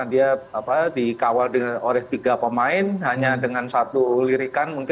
dia dikawal oleh tiga pemain hanya dengan satu lirikan